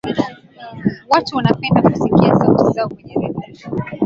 watu wnapenda kusikia sauti zao kwenye redio